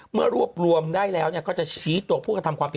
เมื่อรวบรวมได้แล้วก็จะชี้ตัวผู้กระทำความผิด